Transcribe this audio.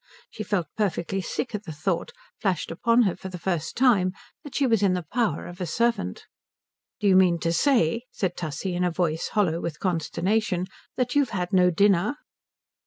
She felt perfectly sick at the thought, flashed upon her for the first time, that she was in the power of a servant. "Do you mean to say," said Tussie in a voice hollow with consternation, "that you've had no dinner?"